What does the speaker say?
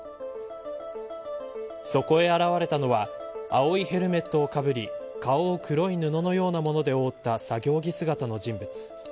そこへ現れたのは青いヘルメットをかぶり顔を黒い布のようなもので覆った作業着姿の人物。